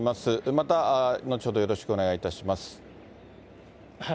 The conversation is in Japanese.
また後ほどよろしくお願いいたします。